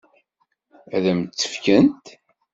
Ad m-tt-fkent?